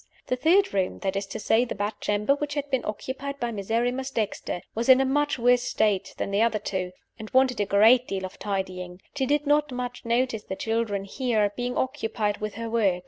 The third room (that is to say, the bedchamber which had been occupied by Miserrimus Dexter) was in a much worse state than the other two, and wanted a great deal of tidying. She did not much notice the children here, being occupied with her work.